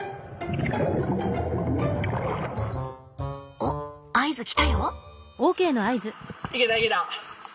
お合図来たよ！